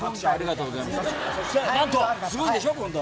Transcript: そしてすごいんでしょ今度は。